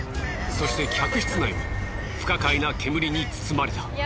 そして客室内も不可解な煙に包まれた。